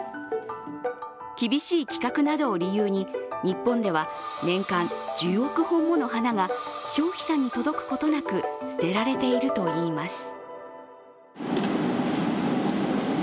厳しい規格などを理由に日本では年間１０億本もの花が消費者に届くことなく捨てられているといいます。